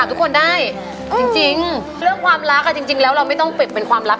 ทุกคนได้จริงเรื่องความรักจริงแล้วเราไม่ต้องปิดเป็นความรัก